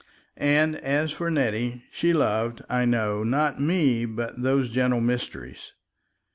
And as for Nettie, she loved, I know, not me but those gentle mysteries.